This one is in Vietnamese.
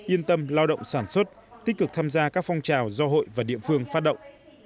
yên tâm lao động sản xuất tích cực tham gia các phong trào do hội và địa phương phát động